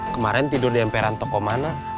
kemarin tidur di emperan toko mana